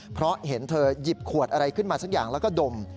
เพราะเห็นเธอหยิบขวดอะไรขึ้นมาสักอย่างแล้วก็ดม